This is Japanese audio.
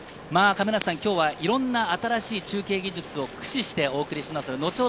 今日はいろんな新しい中継技術を駆使してお送りします。